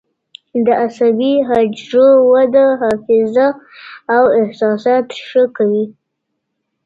د عصبي حجرو وده حافظه او احساسات ښه کوي.